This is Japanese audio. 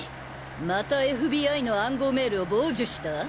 またＦＢＩの暗号メールを傍受した！？